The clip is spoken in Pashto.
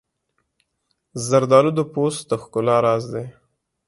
زردالو د پوست د ښکلا راز دی.